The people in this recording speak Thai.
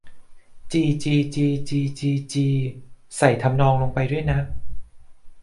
จี จี จี จี จี จี ใส่ทำนองลงไปด้วยนะ